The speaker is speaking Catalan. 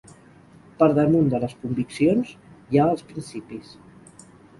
Per damunt de les conviccions hi ha els principis.